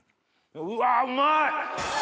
うわうまい！